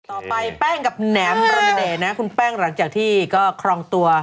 ต่อไปแป้งกับแหนมคุณแป้งหลังจากที่ก็ครองตัว